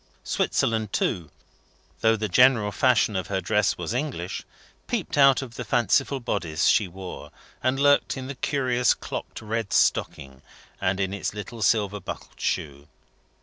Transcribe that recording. Switzerland too, though the general fashion of her dress was English, peeped out of the fanciful bodice she wore, and lurked in the curious clocked red stocking, and in its little silver buckled shoe.